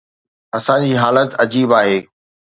اسان جي حالت عجيب آهي.